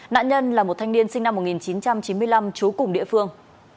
nạn nhân là một thanh niên sinh năm một nghìn chín trăm chín mươi năm trú cùng địa phương